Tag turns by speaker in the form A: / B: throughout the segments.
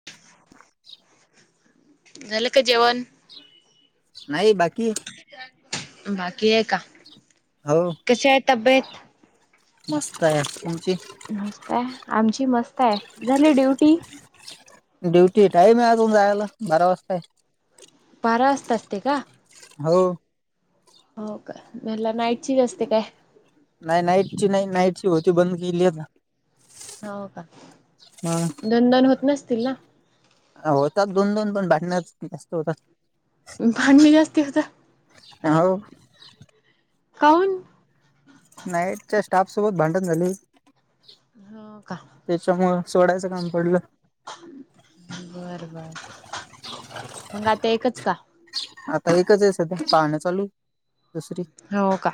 A: [inaudible]
B: झाल का जेवण
A: नाही बाकी
B: बाकी आहे का
A: हो
B: कश आहे तब्येत
A: मस्त आहे आची
B: मस्त आहे आमची मस्त आहे झाली ड्युटी
A: ड्युटी टाईम आहे अजून जायला बरा वाजताय
B: पारास्त असते का
A: हो
B: हो का मला नाईट ची जास्ती काय
A: नाही नाईटची नाही नाईटची होती बंद केली आहे
B: हो का
A: आता
B: दन दन होत नसतील ना
A: होतात दोन दोन पण बटण्या जास्त होतात
B: भांडणी जास्ती होता
A: हो
B: कोन
A: नाईटच्या स्टाफ सोबत भांडण झाले
B: हो का
A: त्याच्यामुं सोडायचं काम पडलं
B: बर बर मग आता एकच का
A: आता एकच आहे सध्या पाहणं चालू दुसरी
B: हो का.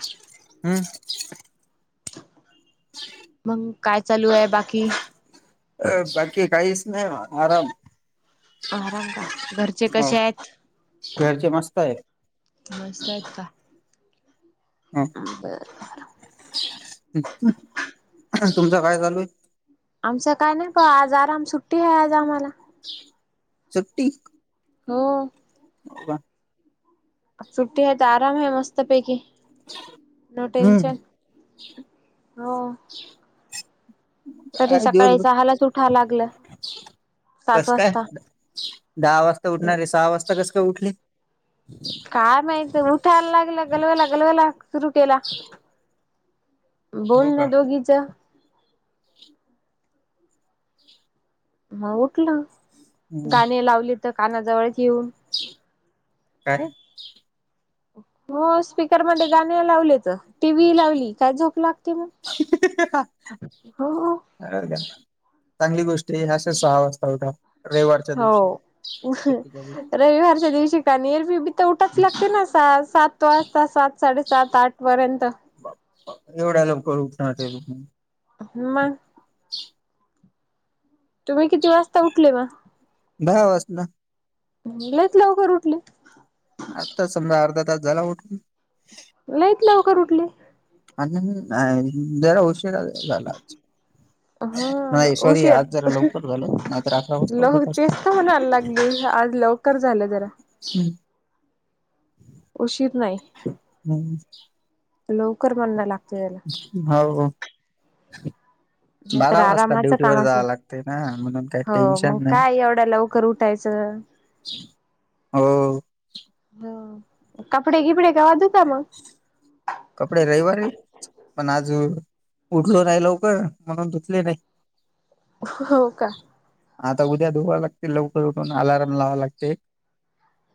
A: हमंम
B: मग काय चालू आहे बाकी
A: अ बाकी काहीस नाही आराम
B: आराम का घरचे
A: हो
B: कसे आहेत
A: घरचे मस्त आहे
B: मस्त आहेत का बर
A: तुमचं काय चालू आहे
B: आमचं काय नाही प आज आराम सुट्टी आहे आज आम्हाला
A: श्टी
B: हो
A: हो
B: ुट्टी है तर आराम है मस्तपैकी नो टेंशन हो तरी
A: काय
B: सकाळी सहालाच उठाव लागलं
A: दिवसभर
B: सात
A: कस काय
B: वाजता.
A: दहा वाजता उठणारे सहा वाजता कस काय उठले
B: काय माहित उठायला लागलं गलवाला गलवाला सुरु केला
A: हो
B: बोल
A: का
B: ना दोघीच ह उठलं
A: हम्म
B: गाणी लावली तर कानाजवळच येऊन
A: कार
B: हो स्पीकर मध्ये गाणे लावले तर टीव्ही लावली काय झोप लागते मग
A: [inaudible]
B: हो
A: अ चांगली गोष्टी आहे अशाच सहा वाजता होठ. रविवारच्या
B: हो.
A: दिवशीतीच्या दिवशी.
B: रविवारच्या दिवशी का निरी. ते उठाच
A: हम्म.
B: लागते ना स सात वाजता सात साडेसात आठ पर्यंत.
A: एवढ्या लोक रुखणार ल.
B: ह म. तुम्ही किती वाजता उठले म.
A: भा वास ना.
B: म्हलेच लवकर उठले.
A: आत्ता समजा अर्धा तास झाला उठून.
B: नाहीत लवकर उठली.
A: आणि जरा उशीरा झालाज.
B: हा
A: नाही सॉरी
B: उशीर
A: आज जरा लवकर झालं नाहीत अकरा वाजता
B: लव
A: उडत असत.
B: तेच म्हणायला लागली आज लवकर झालं जरा
A: हम्.
B: उशीित नाही.
A: हम्.
B: लवकर म्हणण लागते त्याला.
A: होा.
B: नाही तर
A: बारा वाजता
B: आरामाचं
A: ड्युटीवरर
B: काम असेल
A: जाव लागते ना म्हणून काही
B: हो मग
A: टेन्शन नाही.
B: काय एवढ्या लवकर उठायचं
A: हो.
B: हो कपडे किपडे गवा दूता मग.
A: कपडे रविवारी. पण आज उठलो नाही लवकर म्हणून तुथले नाही.
B: हो का.
A: आता उद्या धुवा लागते लवकर उठून अलारम लावा लागते.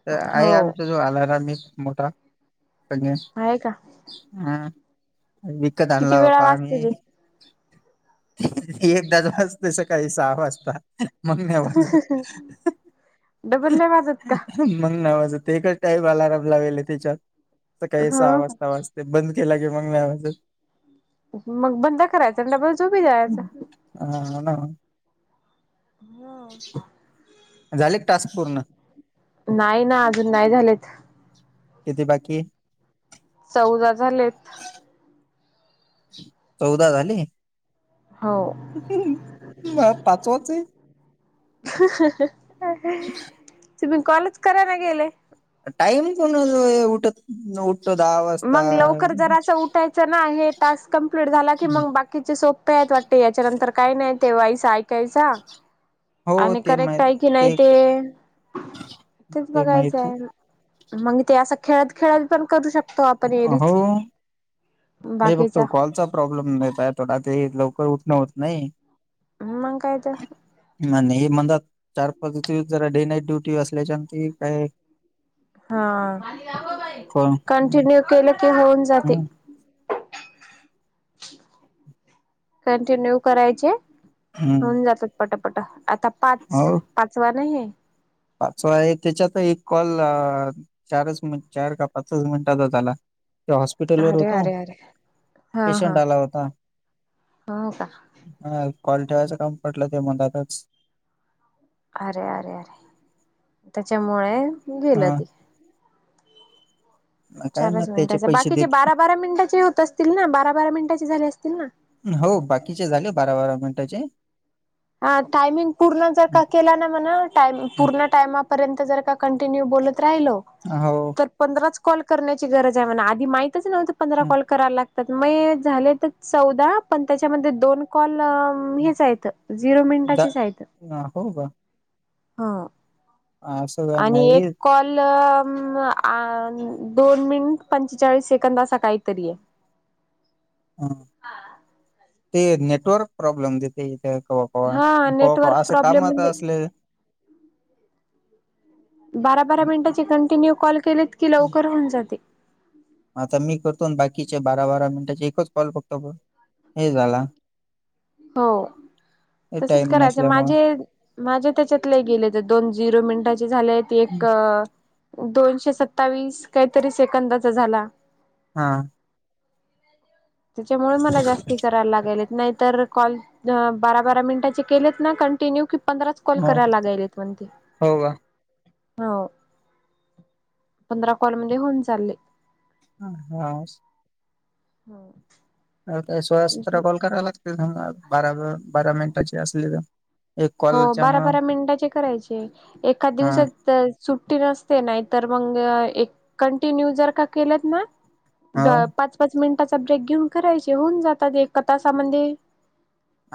A: तर आहे
B: हो
A: आमचा जो आला आम्ही मोठा सग.
B: आहे का.
A: हम वििकत
B: किती
A: आणलावा
B: वेळा
A: पामी.
B: वाजते ते
A: एकदाच वाजतेस काही सहा वाजता. मगवाज.
B: डबल नाही वाजत का
A: मग नावाजत एकच टाईप आलाारम लावेल त्याच्यात स काही अस
B: हो
A: आवाजता वाजता. ते बंद केला ग मग नाही आं.
B: मग बंद करायचं आणिडबल झोपी द्यायचं.
A: हा ना.
B: हो.
A: झाले टास्क पूर्ण.
B: नाही ना अजून नाही झालेत.
A: कथ बाकी.
B: चौदा झालेत.
A: चौदा झाली.
B: हो.
A: पाचवाच आहे.
B: ते मी कॉलज करायला गेले.
A: टाईम पण उठ. त दहा. वाजता
B: मग लवकर जर असं उठायचं ना हे टास्क कमप्लीट झाला की मग बाकीचे सोपे आहेत वाट. ते याच्या नंतर काय नाही तेव्हायस ऐकायचा.
A: हो
B: आणि
A: ते
B: करेक्ट
A: माहित
B: आहे कि नाही ते तेच
A: ते माहित
B: बघायचंय. मग ते असं खेळत खेळत पण करू शकत.
A: हो हे
B: बाकीचा
A: बघतो कॉलचा. प्रॉब्लेम थोडा ते लवकर उठणं होत नाही.
B: मग कायत.
A: आणि हे म्हणजात चार पाच दिव जरा डे नाईट ड्युटी असल्याच्यान त काय.
B: हा
A: हम्म
B: कंटिन्यू केलं की होऊन जाते. कंटिन्यू करायचे.
A: हम्म
B: होऊन जातात पटपट आता पाच
A: हो
B: पाचवा नाही.
A: पाचवा आहे त्याच्यात एक कॉल चारच मि चार का पाचच मिनिटाचा झाला. ते हॉस्पिटल वर
B: अरे
A: होतो
B: अरे अरे हा हा
A: पेशंट आला होता.
B: हो का.
A: हा क्वाल ठेवा्हायचं कम पटलं ते मलाातच
B: अरे अरे अरे त्याच्यामुळे
A: हा
B: गेलं ती
A: काय ना
B: चारच
A: त्याचे
B: मिनिटांचे
A: पैसे
B: बाकीचे
A: देत
B: बारा बारा मिनिटाचे होत असतील ना बारा बारा मिनिटांचे झाले असतील ना.
A: हो बाकीचे झाले बारा बारा मिनिटाचे.
B: ह टायमिंग पूर्ण जर का केला ना म्हणा टाम पूर्ण टाइमा पर्यंत जर का कंटिन्यू बोलत राहिल.
A: हो.
B: तर पंधराच कॉल करण्याची गरज आहे म्ह आधी माहितचव्हं पंधरा कॉल कराय लाग. त्यात मय झाले तर चौदा पण त्याच्यामध्ये दोन कॉल हेच येत. झिरो
A: द
B: मिनिटाचीच आहेत.
A: अ, हो का
B: ह
A: असं का
B: आणि
A: नाही
B: एक क दोन मिनिट पंचेचाळीस सेकंद असा काहीतरी आहे.
A: ह ते नेटवर्क प्रॉब्लेम देतेथ.
B: हा
A: हो
B: नेटवर्क
A: असं
B: प्रॉब्लेम
A: कामत
B: म्हणजेच
A: असले.
B: बारा बारा मिनिटाचे कंटिन्यू कॉल केलेत की लवकर होऊन जाते.
A: आता मी करतो बाकीचे बारा बारा मिनिटाचे एकच कॉल बघतो हे झाला.
B: हो
A: हे
B: तसच
A: टाइम
B: करायचं
A: नसल्यामुळे
B: माझे. माझ्या त्याच्यातले गेले तर दोन झिरो मिनिटाचे झालेय ते एक. दोनशे सत्तावीस काहीतरी सेकंदाचा झाला.
A: हा.
B: त्याच्यामुळे मला जास्ती करायला लागेल नाहीतर. कॉल बारा बारा मिनिटाचे केलेत ना कंटिन्यू. पंधराच कॉल
A: हो
B: करायला लागाएलेत म्हणते.
A: हो का
B: हो पंधरा कलमध्ये होऊन चालले.
A: ह हा.
B: होम.
A: अ काही सोळा सतरा कॉल कराव लागते स बारा बारा मिनिटाची असली तर एक
B: हो
A: कॉलच्या
B: बारा
A: मुळ
B: बारा मिनिटाचे करायचे एखाद
A: हा
B: दिवसात सुट्टी नसते नाहीतर मग एक कंटिन्यू जर का केलेत ना
A: हो
B: पाच पाच मिनिटाचा ब्रेक घेऊन करायचे होऊन जातात एका तासामध्ये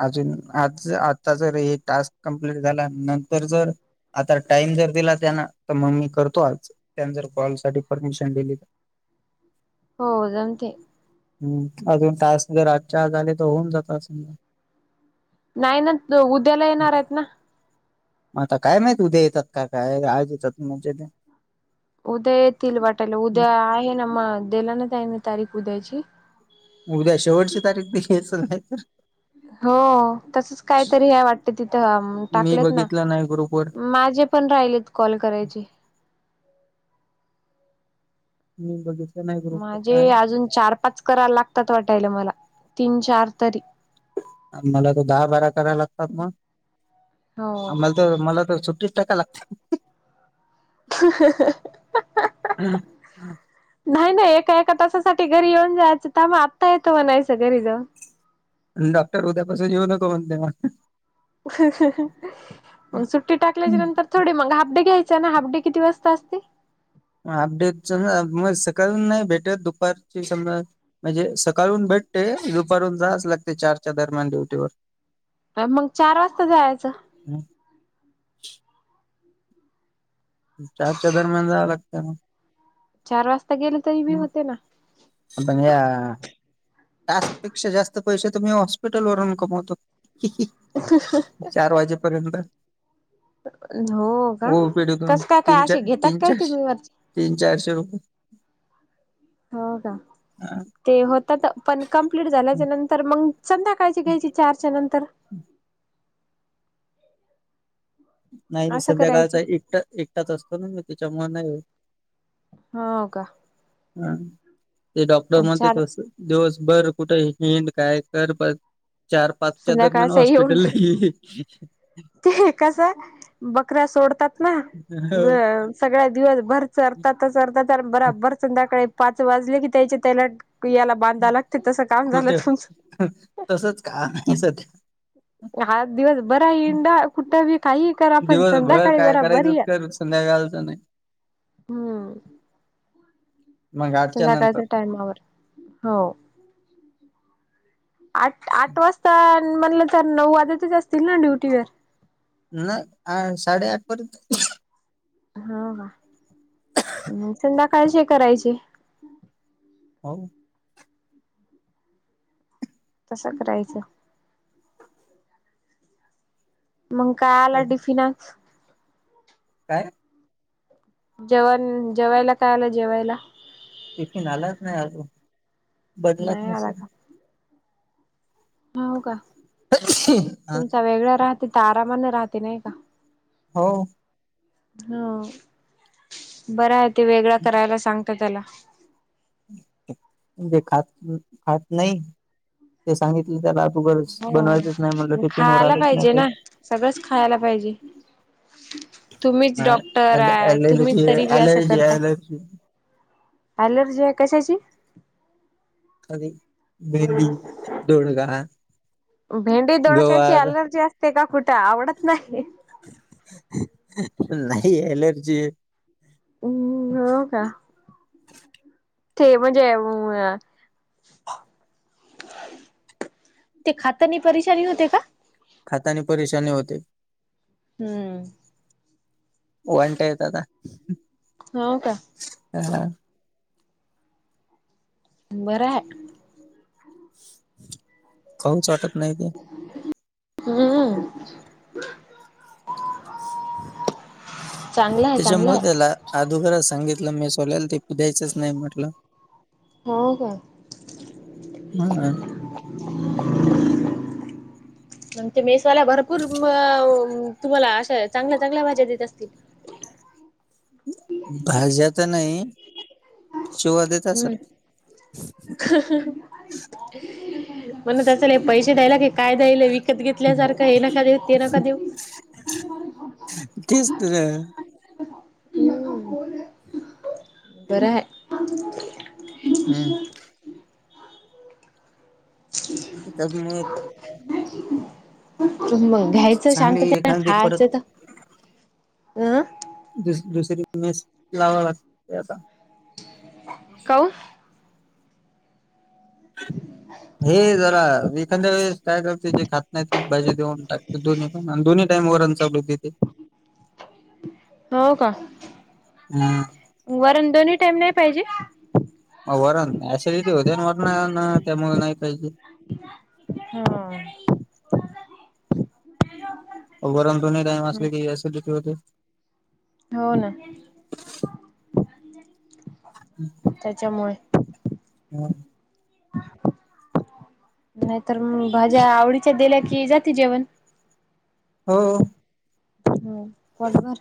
A: अजून आज आता जर हे टास्क कम्प्लीट झाला नंतर जर. आता टाइम जर दिला त्या ना तर मग मी करतो आज. त्यां जर कॉल साठी परमिशन दिली तर.
B: होद ते.
A: हम् अजून तास जर आजच्या आजले तर होऊन जातात असम.
B: नाही ना उद्याला
A: मग
B: येणार आहेत ना.
A: आता काय माहती उद्या येतात काय आज येतातजे ते
B: उद्या येतील वाटायला उद्या आहे ना मग दिला ना जा आहे ना तारीख उद्याची.
A: उद्या शेवटची तारीख दे घ्यायचं नाही तर.
B: हो तसच काय तरी हे वाटते तिथं
A: मी
B: टाकलेत ना.
A: बघितलं नाही ग्रुप वर
B: माझे पण राहिलेत कॉल करायची.
A: म बघि [unintelligible]
B: माझे अजून चार पाच कराला लागतात वाटायला मला. तीन चार तरी
A: मला त दहा बारा कराय लागतात मग,
B: हो.
A: आम्हाला तर मला तर सुट्टीस टाका लागते.
B: [inaudible] नाही नाही एका एका तासासाठी घरी येऊन जायचं थांबा आत्ता येतो म्हणायचं घरी जाऊन.
A: डॉक्टर उद्यापासून येेऊ नको म्हणते मग,
B: मग सुट्टी
A: मग
B: टाकल्याच्या नंतर, थोडे म हाफ डे घ्यायचें ना हाफ डे किती वाजता असते.
A: हाफ डे म सकाळ नाही भेटत दुपारची सम म्हणजे सकाळून भेटते दुपारून जाच लागते चारच्या दरम्यान ड्युटीवर.
B: मग चार वाजता जायचं.
A: हम्! चारच्या दरम्यान जावं लागत ना!
B: चार वाजता गेले तरी बी होते ना.
A: संध्या टास्कपेक्षा जास्त पैसे तुम्ही हॉस्पिटल वरून कमवतो. [inaudible] चार वाजेपर्यंत.
B: हो का
A: ओपी टकून
B: कस काय
A: तीन
B: काय
A: चार
B: असे घेतात
A: तीन
B: काय
A: चारश
B: तुम्ही वरचे?
A: तीन चारशे रुपये,
B: हो का?
A: ह.
B: ते होतात पण कंप्लीट झाल्याच्या नंतर मग संधाकाळज घ्यायची चारच्या नंतर.
A: हम्म! नाही नाही
B: असं करायचं
A: संध्याकाळचा एकटा एकटाच असतो ना मी त्याच्यामुळे नाही होत.
B: हो का?
A: हा ते डॉक्टर म
B: चार
A: कसं दिवसभर कुठे हिंंद काय कर प चार पाचच्या दरम्यान
B: संध्याकाळचा येऊन
A: हॉस्पिटल ये.
B: ते कसा बकरा सोडतात ना
A: हो
B: सगळ्या दिव बर चरतात चरतात आणि बराबर संध्याकाळी पाच वाजले की त्याच्या त्याला याला बांधा लागते तस काम झालं
A: खोटे
B: तुमच.
A: तसच काम आहे सध्या
B: हा दिवस बरा आहे. हिंडा कुठं ब काही करा पण
A: दिवसभर
B: संध्याकाळी
A: काय
B: बराबर
A: करायचं
B: य.
A: कर संध्याकाळचं नाही
B: हम्म!
A: मग आठच्या नंतर
B: संध्याकाळच्या टामावर हो आठ आठ वाजता तर म्हणलं तर नऊ वाज्या तेच असतील ना ड्युटी वर.
A: नाही साडेआठ पर्यंत.
B: हो संध्याकाळशी करायची.
A: हो!
B: तसं करायचं. मग काय आला टिफिन.
A: काय.
B: जेवण जेवायला काय आला जेवायला.
A: टिफिन आलात नाही अजून बदलात
B: नाही आला
A: नसेल.
B: का हो का! तुमचा वेगळा राहते तर आरामाने राहते नाही का?
A: हो.
B: ह बर आहे ते वेगळं करायला सांगत त्याला.
A: म्हणजे खात खात नाही. ते सांगितले त्याला त ग
B: हो
A: बनवायचंच नाही म्हटलं टिफिन वर
B: खायला
A: आलंच नाही
B: पाहिजे
A: काही.
B: ना सगळंच खायला पाहिजे तुम्हीच
A: काही
B: डॉक्टर आहे
A: अलर्जी
B: तुम्हीच तरी बी असं
A: अलर्जी
B: करता
A: अलर्जी
B: अलर्जी कशाची
A: कध मेहंदी दोडग
B: भेंडी दडोडक्याची अलर्जी असते का कुठं आवडत नाही
A: नाही एलर्जी
B: हम् हो का ते म्हणजे ते खातानी परेशानी होते का?
A: खाताने परेशानी होते.
B: हम्म
A: वानट्या येत्याता
B: हो का
A: हा
B: बरं हाय
A: काऊच वाटत नाही ते
B: हम्म चांगलं आहे चांगलं
A: त्याच्यामुळे
B: आहे
A: त्याला अधोघरच सांगितलं मी सोलायला ते पु द्यायच नाही म्हटलं
B: हो हो
A: हा
B: [unintelligible]
A: [inaudible]
B: ते मेसावाला भरपूर तुम्हाला मअ अशा चांगल्या चांगल्या भाज्या देत असतील
A: भाज्या तर नाही, शिवा असत
B: हम्म म्हणत असल पैसे द्यायला क काय द्यायला व विकत घेतल्यासारखं ये, हे नका देऊ ते नका देऊ
A: तेच तर
B: हम्म बरं हाय
A: हम्म
B: ह
A: तेच्यामुळ
B: मग घ्यायचं
A: चांगली
B: शांततेन अन्
A: एखादी
B: खायचं
A: परत
B: तर अं
A: द दुसरी मेस लावा लागते आता
B: कौन ह
A: हे जरा एखाद्या वेळेस काय करते जे खात नाही तेी भाजी देऊन टाकते दोन्ही अन् दोन्ही टाईम वरन चावल देतय
B: हो का
A: हम्म
B: वरण दोनही टाईम नाही पाहिजे?
A: वरण ऍसिडिटी होते ना वरणानं, त्यामुळे नाही पाहिजे
B: हम्म
A: वरन दोनही टाईम असले की ऍसिडिटी होते.
B: हो ना त्याच्यामुळे नाहीतर मग भाज्या आवडीच्या दिल्या कि जाते जेवण
A: हो
B: हो पोटभर